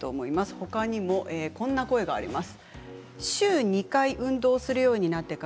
ほかにもこんな声があります。